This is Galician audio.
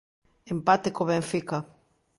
Empate co Benfica.